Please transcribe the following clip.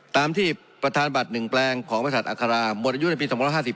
ตามที่ประธานบัตร๑แปลงของบริษัทอัคราหมดอายุในปี๒๕๔